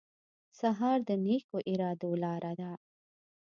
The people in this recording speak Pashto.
سهار د نیکو ارادو لاره ده.